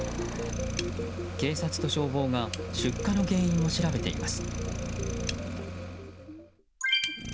警察と消防が出火の原因を調べています。